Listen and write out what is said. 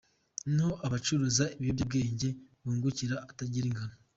Niho abacuruza ibiyobyabwenge bungukira atagira ingano.